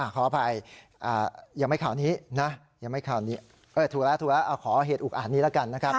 ขออภัยอย่าให้ข่าวนี้ถูกแล้วขอเหตุอุกอ่านี้แล้วกัน